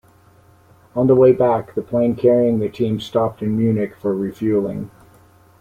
On the way back, the plane carrying the team stopped in Munich for refuelling.